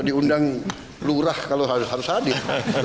diundang lurah kalau harus hadir